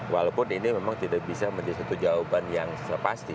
walaupun ini memang tidak bisa menjadi satu jawaban yang sepasti